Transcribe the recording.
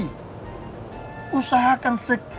hai suci usahakan sekali seumur hidup